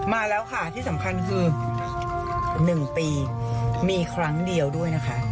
มาแล้วค่ะที่สำคัญคือ๑ปีมีครั้งเดียวด้วยนะคะ